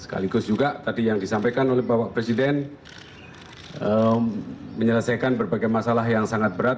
sekaligus juga tadi yang disampaikan oleh bapak presiden menyelesaikan berbagai masalah yang sangat berat